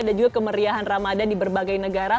dan juga kemeriahan ramadhan di berbagai negara